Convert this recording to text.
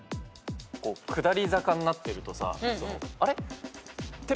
下り坂になってるとさあれっ？